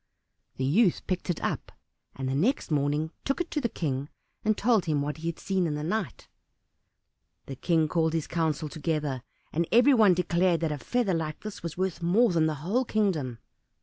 The youth picked it up, and the next morning took it to the King and told him what he had seen in the night. The King called his council together, and everyone declared that a feather like this was worth more than the whole kingdom.